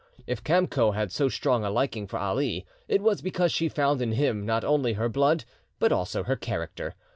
If Kamco had so strong a liking for Ali, it was because she found in him, not only her blood, but also her character.